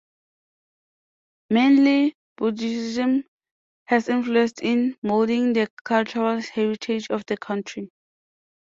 Mainly Buddhism has influenced in moulding the cultural heritage of the country.